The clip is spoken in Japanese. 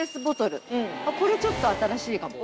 これちょっと新しいかも。